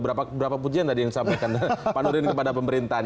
berapa pujian tadi yang disampaikan pak nurin kepada pemerintahan